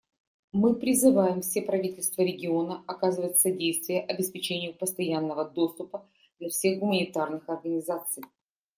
Мы призывам все правительства региона оказывать содействие обеспечению постоянного доступа для всех гуманитарных организаций.